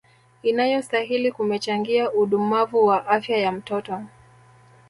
inayostahili kumechangia udumavu wa afyaya mtoto